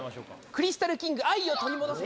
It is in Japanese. クリスタルキング「愛をとりもどせ！！」